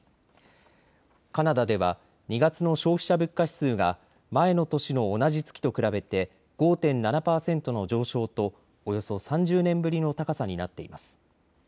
カナダでは２月の消費者物価指数が前の年の同じ月と比べて５．７％の上昇とおよそ３０年ぶりの高さになっています。